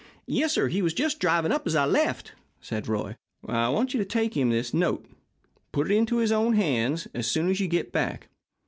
"Yes, sir, he was just driving up as I left," said Roy. "I want you to take him a note. Put it into his own hands as soon as you get back."